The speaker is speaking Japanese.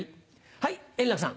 はい円楽さん。